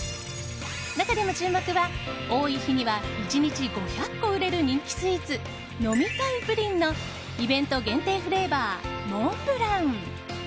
中でも注目は、多い日には１日５００個売れる人気スイーツ呑みたいプリンのイベント限定フレーバーモンブラン。